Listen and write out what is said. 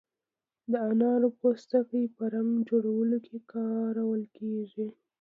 د انارو پوستکی په رنګ جوړولو کې کارول کیږي.